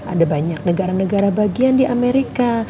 ada banyak negara negara bagian di amerika